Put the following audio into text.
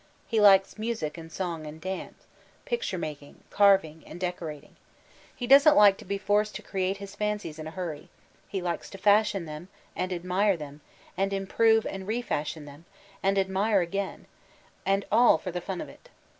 He likes music and song and dance, picture making, carving, and decorating. He doesn't like to be forced to create his fancies in a hurry ; he likes to fashion them, and admire them, and improve and refashion them, and admire again; and all for the fun of it.